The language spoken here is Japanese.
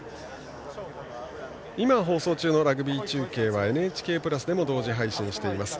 今放送中のラグビー中継は「ＮＨＫプラス」でも同時配信しています。